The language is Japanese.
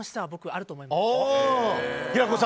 あると思います。